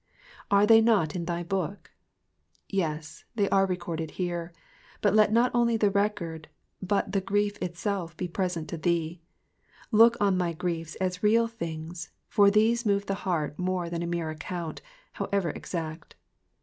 ^^Are they not in thy 'bookV Yes, they are recorded there, but let not only the record but the grief itself be present to thee. Look on my griefs as real things, for these move the heart more than a mere account, however exact.